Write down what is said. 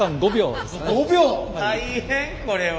大変これは。